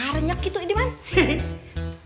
bernyak itu dimana